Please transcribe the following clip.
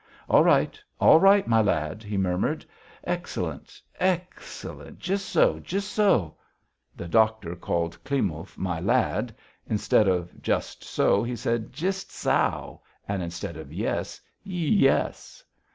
"All right, all right, my lad," he murmured. "Excellent, excellent.... Jist so, jist so...." The doctor called Klimov "my lad." Instead of "just so," he said "jist saow," and instead of "yes," "yies."